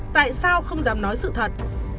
tại sao không dám nói sự thật